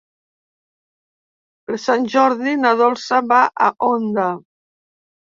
Per Sant Jordi na Dolça va a Onda.